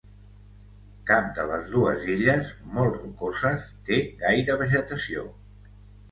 Cap de les dues illes, molt rocoses, té gaire vegetació.